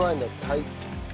はい。